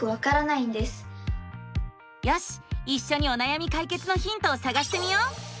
いっしょにおなやみ解決のヒントをさがしてみよう！